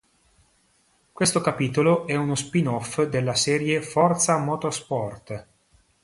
Questo capitolo è uno spin-off della serie Forza Motorsport.